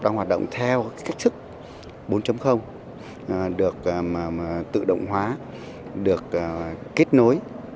doanh nghiệp đang hoạt động theo cách thức bốn được tự động hóa được kết nối